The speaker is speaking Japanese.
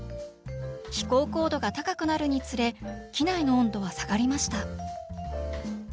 飛行高度が高くなるにつれ機内の温度は下がりました